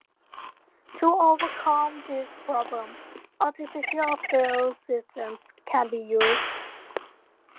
To overcome this problem, artificial feel systems can be used.